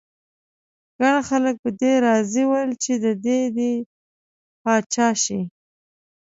ګڼ خلک په دې راضي ول چې دی دې پاچا شي.